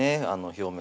表面